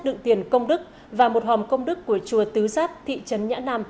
đựng tiền công đức và một hòm công đức của chùa tứ giáp thị trấn nhã nam